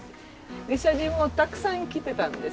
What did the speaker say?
ギリシャ人もたくさん来ていたんです